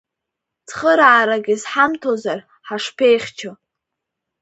Цхыраарак изҳамҭозар, ҳашԥеихьчо?